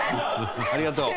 ありがとう。